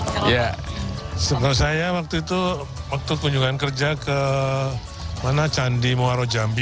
kalau saya waktu itu waktu kunjungan kerja ke mana candi muarajambi